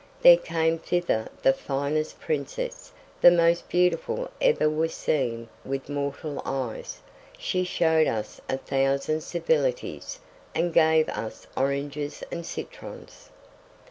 There came thither the finest princess, the most beautiful ever was seen with mortal eyes; she showed us a thousand civilities, and gave us oranges and citrons."